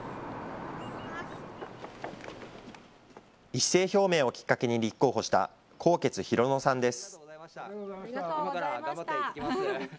一斉表明をきっかけに立候補した纐纈悠乃さんです。